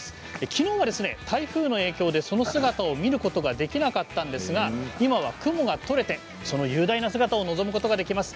昨日は台風の影響でその姿を見ることができなかったんですが今は雲が取れてその雄大な姿をのぞむことができます。